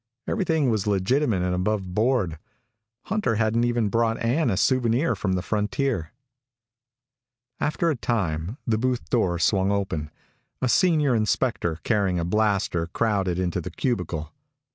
Everything was legitimate and above board. Hunter hadn't even brought Ann a souvenir from the frontier. After a time, the booth door swung open. A senior inspector, carrying a blaster, crowded into the cubicle.